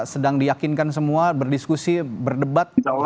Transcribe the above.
sedang diyakinkan semua berdiskusi berdebat